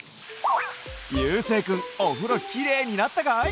ゆうせいくんおふろきれいになったかい？